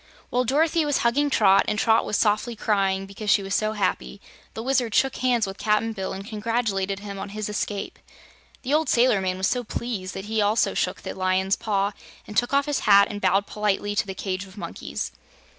While Dorothy was hugging Trot, and Trot was softly crying because she was so happy, the Wizard shook hands with Cap'n Bill and congratulated him on his escape. The old sailor man was so pleased that he also shook the Lion's paw and took off his hat and bowed politely to the cage of monkeys.